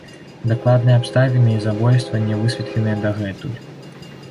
Дакладныя абставіны забойства не высветленыя дагэтуль.